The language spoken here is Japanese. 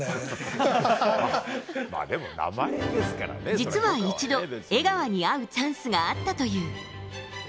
実は１度、江川に会うチャンスがあったという。